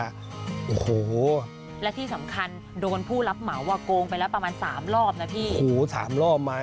และที่สำคัญโดนผู้รับเหมาว่าโกงไปแล้วประมาณ๓รอบนะพี่